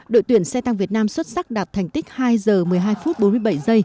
đội tuyển xe tăng việt nam xuất sắc đạt thành tích hai h một mươi hai bốn mươi bảy